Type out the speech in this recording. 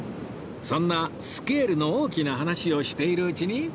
そんなスケールの大きな話をしているうちに